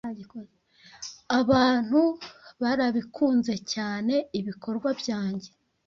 Abantu barabikunze cyane ibikorwa byanjye